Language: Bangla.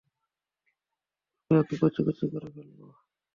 আমি ওকে কুঁচি কুঁচি করে ফেলব।